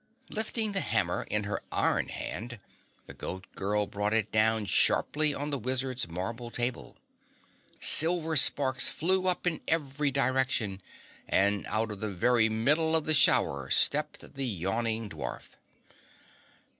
Lifting the hammer in her iron hand, the Goat Girl brought it down sharply on the wizard's marble table. Silver sparks flew up in every direction and out of the very middle of the shower stepped the yawning dwarf.